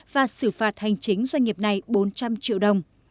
và xử phạt hành chính doanh nghiệp này bốn trăm linh triệu đồng